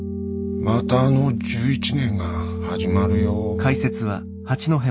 またあの１１年が始まるよ。